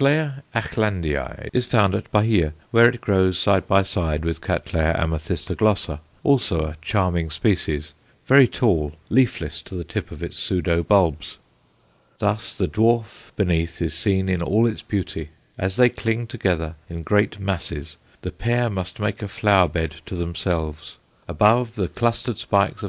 Acklandiæ_ is found at Bahia, where it grows side by side with C. amethystoglossa, also a charming species, very tall, leafless to the tip of its pseudo bulbs. Thus the dwarf beneath is seen in all its beauty. As they cling together in great masses the pair must make a flower bed to themselves above, the clustered spikes of _C.